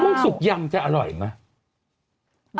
มะม่วงสุกก็มีเหมือนกันมะม่วงสุกก็มีเหมือนกัน